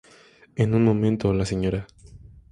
En un momento, la Sra.